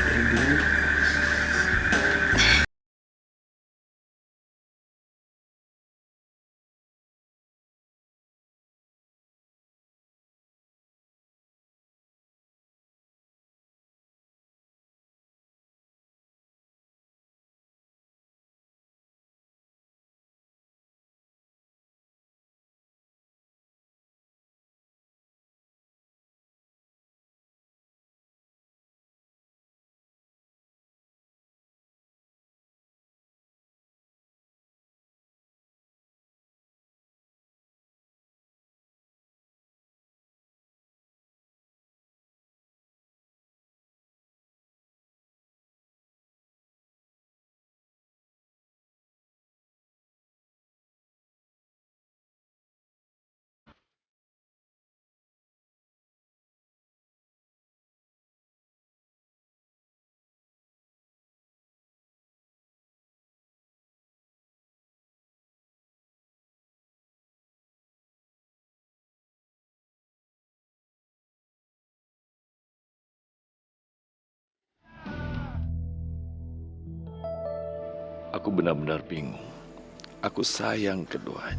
kundan sama kamu dulu kan atas